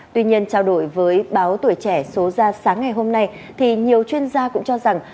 tuy nhiên trao đổi với báo tuổi trẻ số ra sáng ngày hôm nay thì nhiều chuyên gia cũng cho rằng